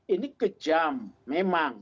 ini kejam memang